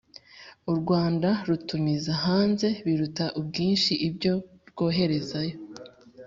u rwanda rutumiza hanze biruta ubwinshi ibyo rwoherezayo.